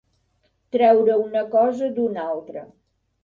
Treure una cosa d'una altra.